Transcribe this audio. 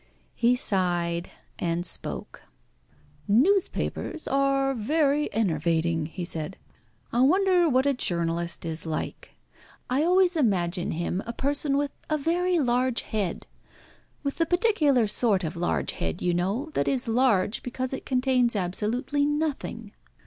He sighed and spoke "Newspapers are very enervating," he said. "I wonder what a journalist is like? I always imagine him a person with a very large head with the particular sort of large head, you know, that is large because it contains absolutely nothing."